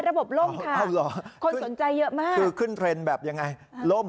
ระบบล่มค่ะคนสนใจเยอะมากคือขึ้นเทรนด์แบบยังไงล่ม